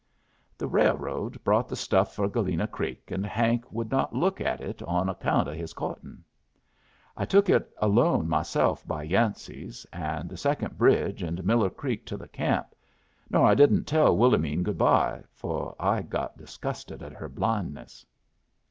"The railroad brought the stuff for Galena Creek, and Hank would not look at it on account of his courtin'. I took it alone myself by Yancey's and the second bridge and Miller Creek to the camp, nor I didn't tell Willomene good bye, for I had got disgusted at her blindness."